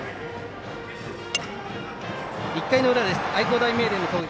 １回の裏、愛工大名電の攻撃。